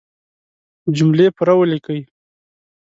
جملې پوره وليکئ!